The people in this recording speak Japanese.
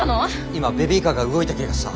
今ベビーカーが動いた気がした。